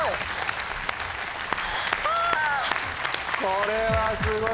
これはすごい。